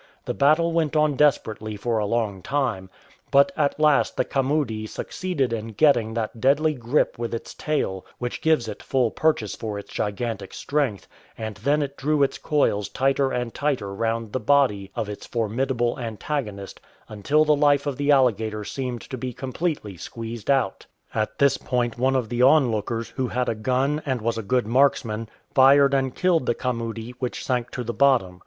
The battle went on desperately for a long time, but at last the camudi succeeded in getting that deadly grip with its tail which gives it full purchase for its gigantic strength, and then it di"ew its coils tighter and tighter round the body of its formidable antagonist until the life of the alligator seemed to be completely squeezed out. At this point one of the onlookers, who had a gun and was a good marksman, fired and killed the camudi, which sank to the bottom.